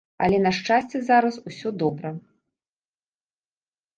Але, на шчасце, зараз усё добра.